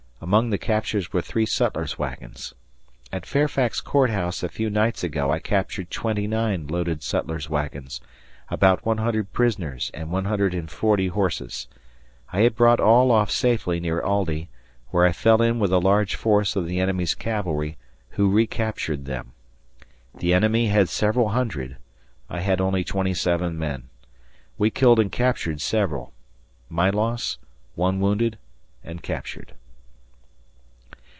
Among the captures were three sutlers' wagons. At Fairfax Court House a few nights ago I captured 29 loaded sutlers' wagons, about 100 prisoners and 140 horses. I had brought all off safely near Aldie, where I fell in with a large force of the enemy's cavalry, who recaptured them. The enemy had several hundred. I had only 27 men. We killed and captured several. My loss: one wounded and captured.